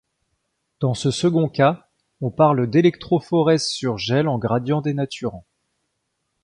Dans ce second cas, on parle d'électrophorèse sur gel en gradient dénaturant.